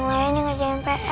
dan juga intan